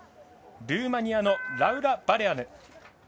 ルーマニアのラウラ・バレアヌ。